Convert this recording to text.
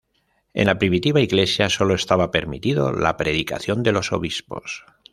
En la primitiva Iglesia sólo estaba permitida la predicación de los obispos.